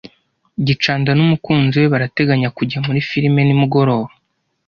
gicanda n'umukunzi we barateganya kujya muri firime nimugoroba.